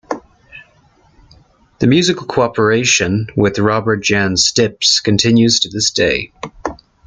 The musical co-operation with Robert Jan Stips continues to this day.